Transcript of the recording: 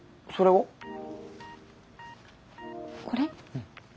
うん。